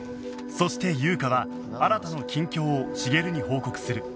そして優香は新の近況を茂に報告する